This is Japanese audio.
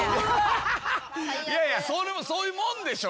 いやいやそういうもんでしょ